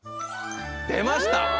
出ました！